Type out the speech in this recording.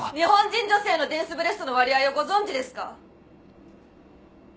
日本人女性のデンスブレストの割合をご存じですか？